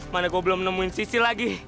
mana gue belum nemuin sisi lagi